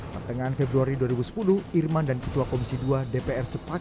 pertengahan februari dua ribu sepuluh irman dan ketua komisi dua dpr sepakat